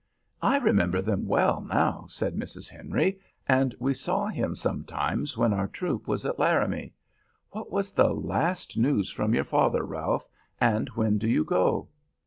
"I remember them well, now," said Mrs. Henry, "and we saw him sometimes when our troop was at Laramie. What was the last news from your father, Ralph, and when do you go?"